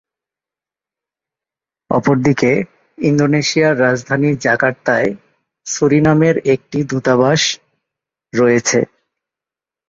অপরদিকে, ইন্দোনেশিয়ার রাজধানী জাকার্তায় সুরিনামের একটি দূতাবাস রয়েছে।